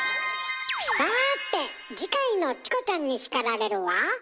さて次回の「チコちゃんに叱られる」は？